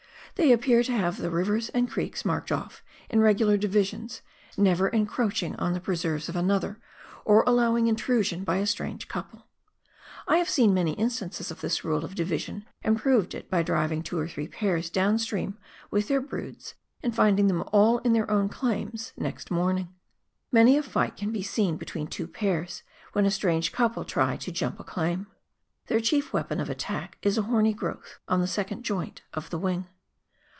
They appear to have the rivers and creeks marked off in regular divisions, never en croaching on the preserves of another, or allowing intrusion by a strange couple. I have seen many instances of this rule of division, and proved it by driving two or three pairs dow^n stream with their broods, and finding them all in their own "claims" next morning. Many a fight can be seen between two pairs, when a strange couple try to " jump a claim." Their chief weapon of attack is a horny growth on the second joint of the wing.